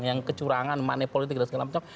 yang kecurangan money politik dan segala macam